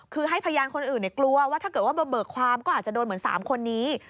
คือให้พยานคนอื่นกลัวว่าถ้าเกิดว่ามาเบิกความก็อาจจะโดนเหมือน๓คนนี้